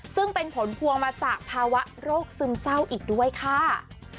ซึ่งเป็นผลพวงมาจากภาวะโรคซึมเศร้าอีกด้วยค่ะ